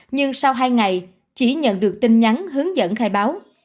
nhưng sau hai ngày chỉ nhận được tin nhắn hướng dẫn khai báo